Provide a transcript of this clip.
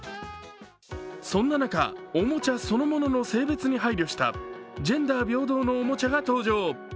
そんな中、おもちゃそのものの性別に配慮したジェンダー平等のおもちゃが登場。